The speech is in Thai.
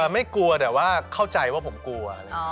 ไม่กลัวแต่ว่าเข้าใจว่าผมกลัว